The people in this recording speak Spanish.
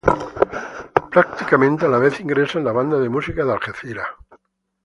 Prácticamente a la vez ingresa en la banda de música de Algeciras.